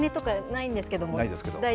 ないですけど。